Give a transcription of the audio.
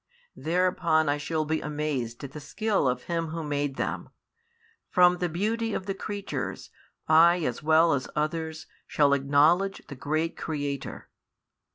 Thereupon I shall be amazed at the skill of Him Who made them; from the beauty of the creatures I as well as others shall acknowledge the Great Creator.